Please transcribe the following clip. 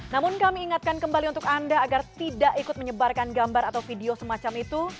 namun kami ingatkan kembali untuk anda agar tidak ikut menyebarkan gambar atau video semacam itu